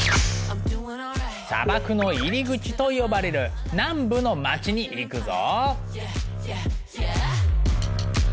「砂漠の入り口」と呼ばれる南部の街に行くぞ。